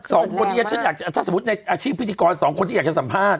สมมุติถ้าสมมุติในอาชีพพิธีกรสองคนที่อยากจะสัมภาษณ์